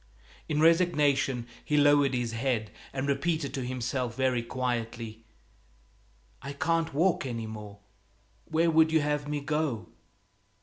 In resignation he lowered his head and repeated to himself very quietly, "I can't walk any more; where would you have me go?"